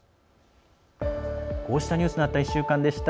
こうしたニュースのあった１週間でした。